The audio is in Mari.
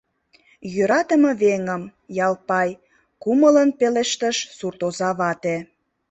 — Йӧратыме веҥым, Ялпай! — кумылын пелештыш суртоза вате.